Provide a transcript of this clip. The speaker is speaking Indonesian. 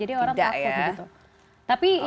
jadi orang takut begitu